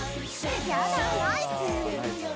やだナイス！